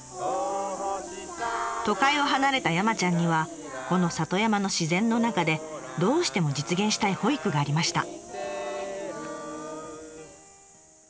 都会を離れた山ちゃんにはこの里山の自然の中でどうしても実現したい保育がありました。